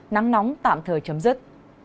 nắng nóng tạm thời chấm dứt